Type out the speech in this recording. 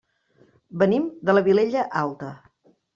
Venim de la Vilella Alta.